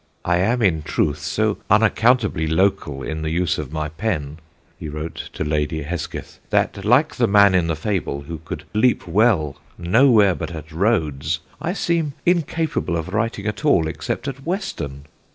"I am in truth so unaccountably local in the use of my pen," he wrote to Lady Hesketh, "that, like the man in the fable, who could leap well nowhere but at Rhodes, I seem incapable of writing at all except at Weston."